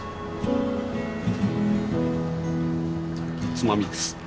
つまみです。